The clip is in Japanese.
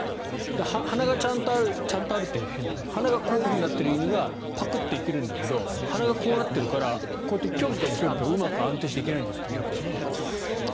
鼻がちゃんとあるちゃんとあるって変だな鼻がこうなっている犬はパクッていけるんだけど鼻がこうなっているからピョンピョン安定してうまく行けないんですって。